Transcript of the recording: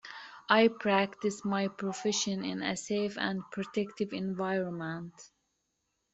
I practice my profession in a safe and protective environment".